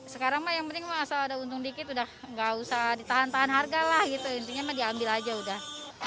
sekarang yang penting asal ada untung dikit gak usah ditahan tahan harga lah intinya diambil aja udah